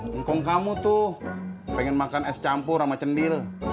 mungkong kamu tuh pengen makan es campur sama cendil